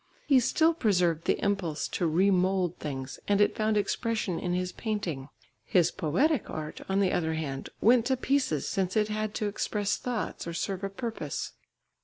He still preserved the impulse to re mould things and it found expression in his painting. His poetic art, on the other hand, went to pieces since it had to express thoughts or serve a purpose.